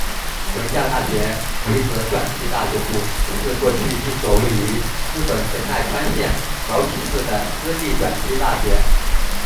文教大学女子短期大学部是过去一所位于日本神奈川县茅崎市的私立短期大学。